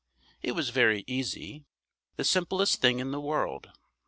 It was very easy. The simplest thing in the world.